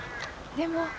でも。